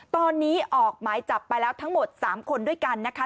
ตอนนี้ออกหมายจับไปแล้วทั้งหมด๓คนด้วยกันนะคะ